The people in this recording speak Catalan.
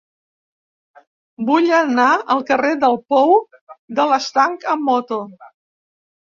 Vull anar al carrer del Pou de l'Estanc amb moto.